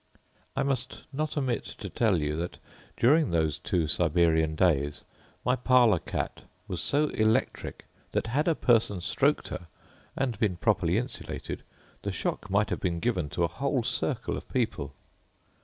I must not omit to tell you that, during those two Siberian days, my parlour cat was so electric, that had a person stroked her, and been properly insulated, the shock might have been given to a whole circle of people.